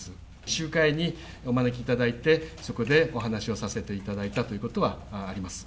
集会にお招きいただいて、そこでお話をさせていただいたということはあります。